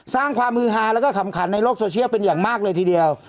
สร้างความฮือฮาแล้วก็ขำขันในโลกโซเชียลเป็นอย่างมากเลยทีเดียว